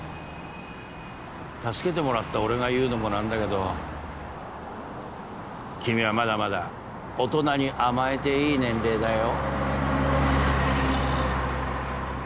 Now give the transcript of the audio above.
助けてもらった俺が言うのも何だけど君はまだまだ大人に甘えていい年齢だよ